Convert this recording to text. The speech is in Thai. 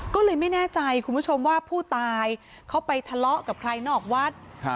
ก็เลยไม่แน่ใจคุณผู้ชมว่าผู้ตายเขาไปทะเลาะกับใครนอกวัด